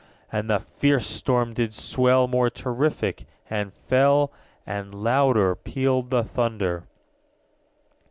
And the fierce storm did swell More terrific and fell, _80 And louder pealed the thunder.